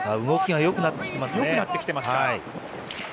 動きがよくなってきてます。